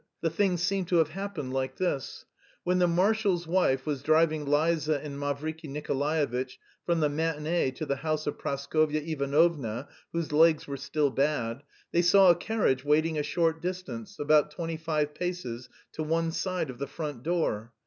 The thing seemed to have happened like this: when the marshal's wife was driving Liza and Mavriky Nikolaevitch from the matinée to the house of Praskovya Ivanovna (whose legs were still bad) they saw a carriage waiting a short distance, about twenty five paces, to one side of the front door.